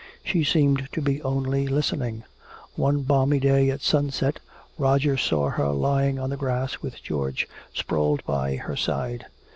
She seemed to be only listening. One balmy day at sunset, Roger saw her lying on the grass with George sprawled by her side.